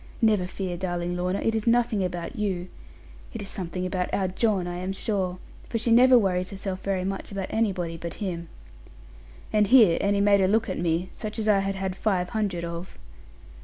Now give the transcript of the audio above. Never fear, darling Lorna, it is nothing about you. It is something about our John, I am sure; for she never worries herself very much about anybody but him.' And here Annie made a look at me, such as I had had five hundred of.